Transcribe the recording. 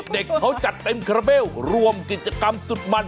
เด็กเขาจัดเต็มคาราเบลรวมกิจกรรมสุดมัน